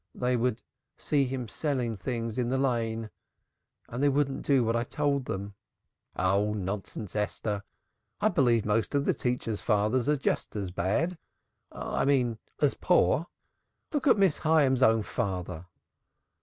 "They would see him selling things in the Lane and they wouldn't do what I told them." "Nonsense, Esther. I believe most of the teachers' fathers are just as bad I mean as poor. Look at Miss Hyams's own father."